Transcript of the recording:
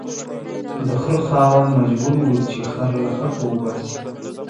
د خره خاوند مجبور و چې خر له خټو وباسي